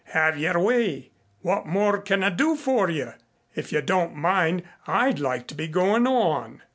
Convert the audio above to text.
Have your way. What more can I do for you? If you don't mind I'd like to be going on."